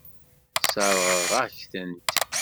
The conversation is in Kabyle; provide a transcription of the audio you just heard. Sseṛɣeɣ-ak-tent.